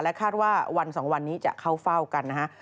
คาดว่าวัน๒วันนี้จะเข้าเฝ้ากันนะฮะ